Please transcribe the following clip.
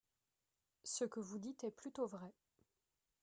Ce que vous dites est plutôt vrai.